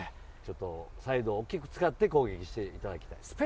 サイドを大きく使って攻撃していただきたいですね。